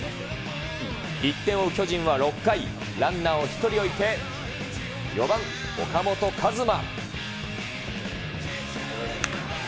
１点を追う巨人は６回、ランナーを１人置いて、４番岡本和真。